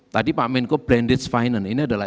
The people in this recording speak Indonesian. tadi pak menko brandeds finance ini adalah